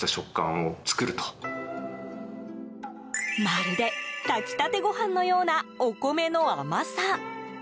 まるで、炊きたてご飯のようなお米の甘さ。